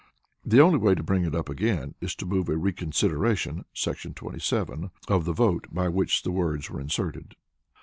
The only way to bring it up again is to move a Reconsideration [§ 27] of the vote by which the words were inserted.